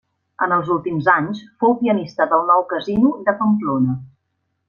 En els últims anys, fou pianista del Nou Casino de Pamplona.